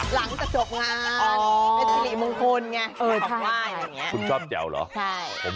หลังตะก้วยช่องที่จบงานอะไรอย่างนี้